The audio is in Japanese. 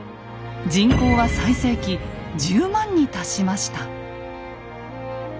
人口は最盛期１０万に達しました。